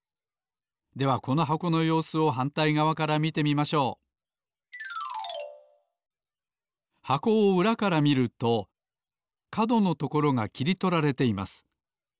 ではこの箱のようすをはんたいがわから見てみましょう箱をうらから見るとかどのところがきりとられています。